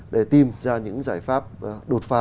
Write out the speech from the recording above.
để tìm ra những giải pháp đột phá